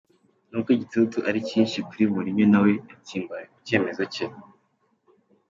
Nubwo igitutu ari kinshi kuri Mourinho nawe yatsimbaraye ku cyemezo cye.